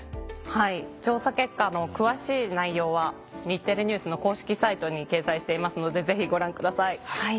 はい調査結果の詳しい内容は『日テレＮＥＷＳ』の公式サイトに掲載していますのでぜひご覧ください。